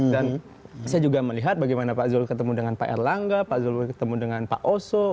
dan saya juga melihat bagaimana pak zulk ketemu dengan pak erlangga pak zulk ketemu dengan pak oso